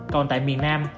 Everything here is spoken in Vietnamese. còn tại miền nam